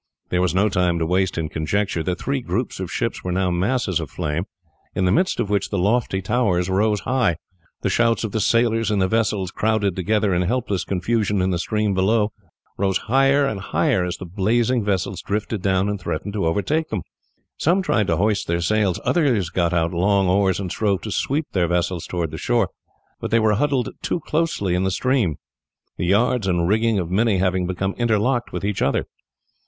There was no time to waste in conjecture; the three groups of ships were now masses of flame, in the midst of which the lofty towers rose high. The shouts of the sailors in the vessels crowded together in helpless confusion in the stream below rose higher and higher as the blazing vessels drifted down and threatened to overtake them. Some tried to hoist their sails; others got out long oars and strove to sweep their vessels towards the shore, but they were huddled too closely in the stream; the yards and rigging of many having become interlocked with each other.